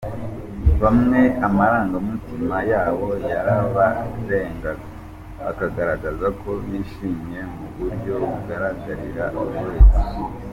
Bamwe amarangamutima yabo yarabarengaga bakagaragaza ko bishimye mu buryo bugaragarira buri wese.